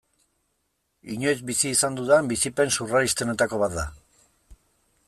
Inoiz bizi izan dudan bizipen surrealistenetako bat da.